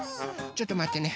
ちょっとまってね。